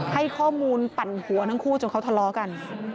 ให้ข้อมูลปั่นหัวทั้งคู่จนเขาทะเลาะกัน